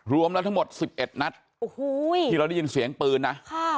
รวมแล้วทั้งหมด๑๑นัดโอ้โหที่เราได้ยินเสียงปืนนะค่ะ